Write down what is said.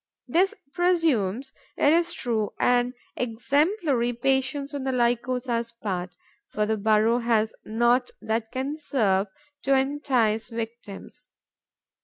This presumes, it is true, an exemplary patience on the Lycosa's part; for the burrow has naught that can serve to entice victims.